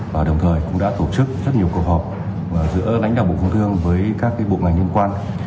và đồng thời cũng đã tổ chức rất nhiều cuộc họp giữa lãnh đạo bộ công thương với các bộ ngành liên quan